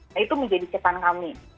nah itu menjadi cepan kami